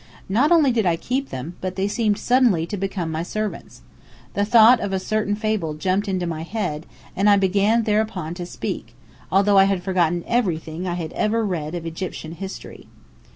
Not only did I keep them, but they seemed suddenly to become my servants. The thought of a certain fable jumped into my head, and I began thereupon to speak; although I had forgotten everything I had ever read of Egyptian history.